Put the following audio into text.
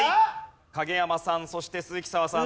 影山さんそして鈴木砂羽さん